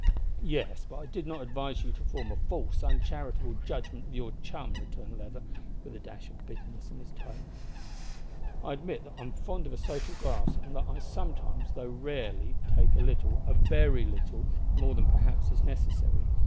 "Yes, but I did not advise you to form a false, uncharitable judgment of your chum," returned Leather, with a dash of bitterness in his tone. "I admit that I'm fond of a social glass, and that I sometimes, though rarely, take a little a very little more than, perhaps, is necessary.